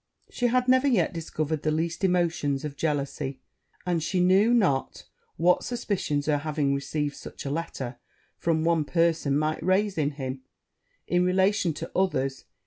He had never yet discovered the least emotions of jealousy; and she knew not what suspicions her having received such a letter from one person might raise in him in relation to others.